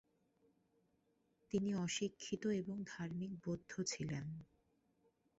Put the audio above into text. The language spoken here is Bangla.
তিনি অশিক্ষিত এবং ধার্মিক বৌদ্ধ ছিলেন।